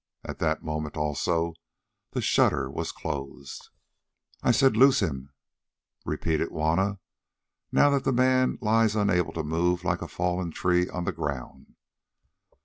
At that moment also the shutter was closed. "I said loose him," repeated Juanna; "now the man lies unable to move like a fallen tree, on the ground."